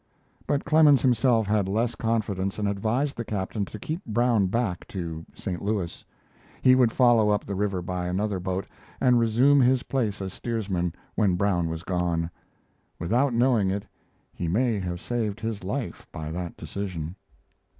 But Clemens himself had less confidence and advised the captain to keep Brown back to St. Louis. He would follow up the river by another boat and resume his place as steersman when Brown was gone. Without knowing it, he may have saved his life by that decision.